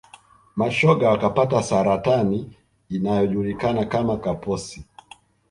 mashoga wakapata saratani inayojulikana kama kaposi